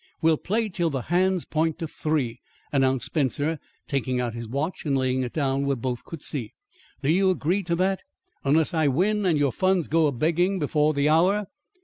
"We'll play till the hands point to three," announced Spencer, taking out his watch and laying it down where both could see it. "Do you agree to that? Unless I win and your funds go a begging before the hour."